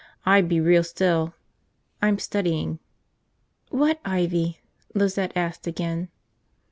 "I'd be real still. I'm studying." "What ivy?" Lizette asked again.